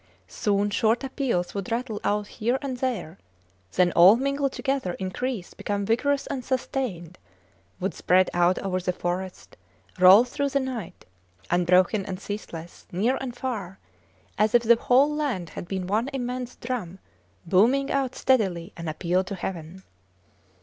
Soon short appeals would rattle out here and there, then all mingle together, increase, become vigorous and sustained, would spread out over the forest, roll through the night, unbroken and ceaseless, near and far, as if the whole land had been one immense drum booming out steadily an appeal to heaven.